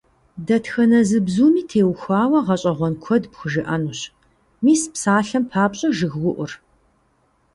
Дэтхэнэ зы бзуми теухуауэ гъэщӀэгъуэн куэд пхужыӀэнущ, мис псалъэм папщӀэ жыгыуӀур.